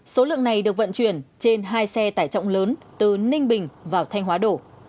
số lượng này được vận chuyển trên hai xe tải trọng lớn từ ninh bình vào thanh hóa đổ